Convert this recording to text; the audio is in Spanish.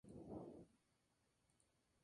Fueron ejecutados un año más tarde.